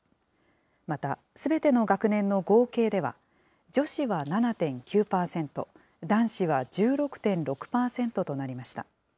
また、すべての学年の合計では、女子は７．９％、男子は１６．６％となりました。